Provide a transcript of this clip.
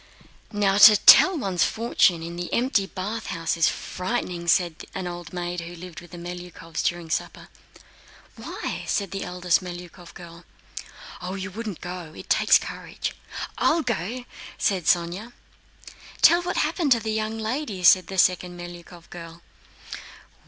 "Now to tell one's fortune in the empty bathhouse is frightening!" said an old maid who lived with the Melyukóvs, during supper. "Why?" said the eldest Melyukóv girl. "You wouldn't go, it takes courage...." "I'll go," said Sónya. "Tell what happened to the young lady!" said the second Melyukóv girl.